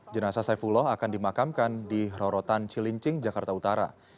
jenasa saifullah akan dimakamkan di rorotan cilincing jakarta utara